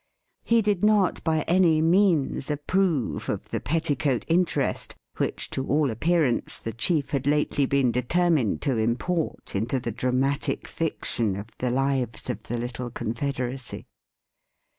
He did not by any means approve of the ' petticoat interest ' which to all appearance the chief had lately been determined to import into the dramatic fiction of the lives of the little confederacy.